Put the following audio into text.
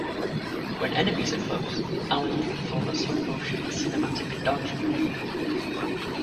When enemies are close, Alan can perform a slow-motion cinematic dodge maneuver.